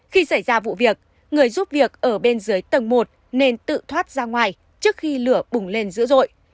khi xảy ra vụ việc người giúp việc ở bên dưới tầng một nên tự thoát ra ngoài trước khi lửa bùng lên dữ dội